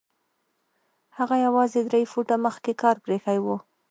هغه يوازې درې فوټه مخکې کار پرېښی و.